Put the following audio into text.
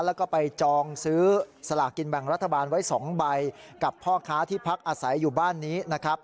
แล้วก็ไปจองซื้อสลากินแบ่งรัฐบาลไว้๒ใบกับพ่อค้าที่พักอาศัยอยู่บ้านนี้นะครับ